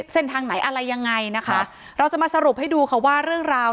เส้นทางไหนอะไรยังไงนะคะเราจะมาสรุปให้ดูค่ะว่าเรื่องราว